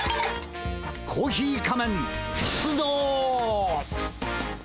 コーヒー仮面出動！